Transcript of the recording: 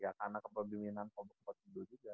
ya karena kepemimpinan coach bedu juga